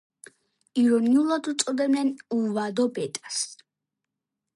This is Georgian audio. ირონიულად უწოდებენ „უვადო ბეტას“.